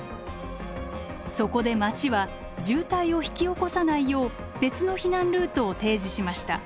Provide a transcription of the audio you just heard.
そこで町は渋滞を引き起こさないよう別の避難ルートを提示しました。